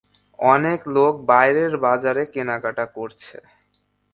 অনেক লোক বাইরের বাজারে কেনাকাটা করছে।